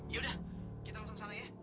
ya udah kita langsung ke sana ya